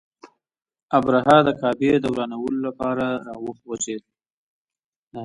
ابرهه د کعبې د ورانولو لپاره را وخوځېد.